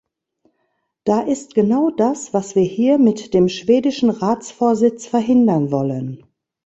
Da ist genau das, was wir hier mit dem schwedischen Ratsvorsitz verhindern wollen.